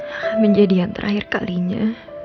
wah menjadi yang terakhir kalinya